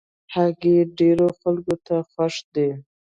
هګۍ ډېرو خلکو ته خوښ دي.